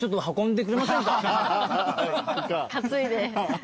担いで。